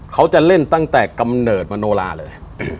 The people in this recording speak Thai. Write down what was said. เขาจะเล่นตั้งแต่กำเนิดมโนลาเลย